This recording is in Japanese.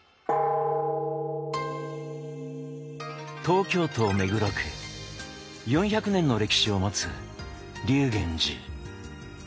東京都目黒区４００年の歴史を持つ立源寺。